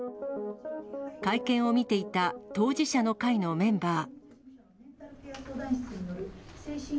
会見を見ていた当事者の会のメンバー。